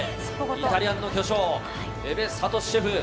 イタリアンの巨匠江部敏史シェフ